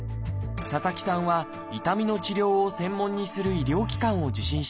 佐々木さんは痛みの治療を専門にする医療機関を受診します。